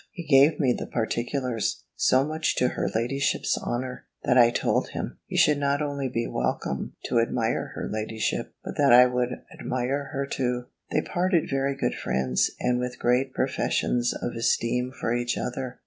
He gave me the particulars, so much to her ladyship's honour, that I told him, he should not only be welcome to admire her ladyship, but that I would admire her too. They parted very good friends, and with great professions of esteem for each other.